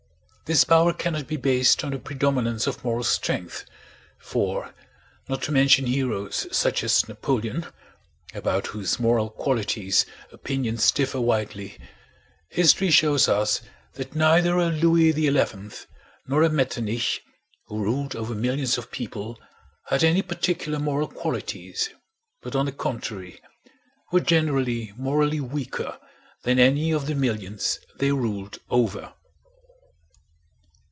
This power cannot be based on the predominance of moral strength, for, not to mention heroes such as Napoleon about whose moral qualities opinions differ widely, history shows us that neither a Louis XI nor a Metternich, who ruled over millions of people, had any particular moral qualities, but on the contrary were generally morally weaker than any of the millions they ruled over.